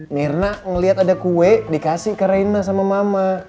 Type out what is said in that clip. mirna ngeliat ada kue dikasih ke reina sama mama